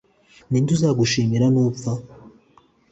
ni nde uzagushimiran nupfa